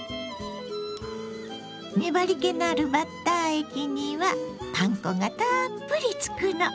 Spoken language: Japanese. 粘りけのあるバッター液にはパン粉がたっぷりつくの。